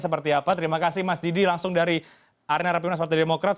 terima kasih mas didi langsung dari arena rapi munas partai demokrat